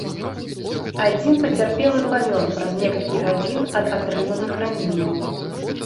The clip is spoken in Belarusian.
Адзін пацярпелы памёр праз некалькі гадзін ад атрыманых раненняў.